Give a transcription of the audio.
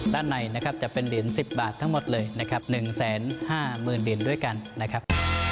ด้านในจะเป็นเหรียญ๑๐บาททั้งหมดเลย๑แสน๕หมื่นเดือนด้วยกันนะครับ